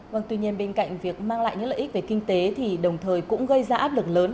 vâng tuy nhiên bên cạnh việc mang lại những lợi ích về kinh tế thì đồng thời cũng gây ra áp lực lớn